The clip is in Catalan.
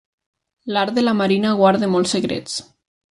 L'art de la marina guarda molts secrets.